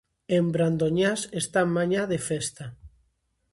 En brandoñas están mañá de festa.